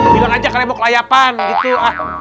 hilang aja kalian mau ke layapan gitu ah